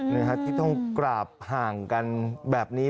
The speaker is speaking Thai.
นะฮะที่ต้องกราบห่างกันแบบนี้